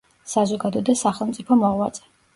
საზოგადო და სახელმწიფო მოღვაწე.